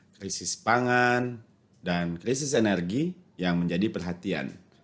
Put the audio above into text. krisis pangan dan krisis energi yang menjadi perhatian